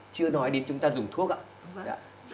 chưa nói đến chúng ta dùng thuốc ạ